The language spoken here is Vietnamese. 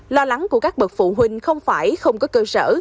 lo lắng của các bậc phụ huynh không phải không có cơ sở